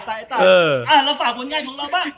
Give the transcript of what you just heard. อ่ะเราฝากคนง่ายของเราบ้าง